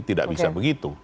tidak bisa begitu